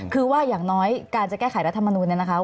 คือว่าอย่างน้อยการจะแก้ไขรัฐมนูลเนี่ยนะคะ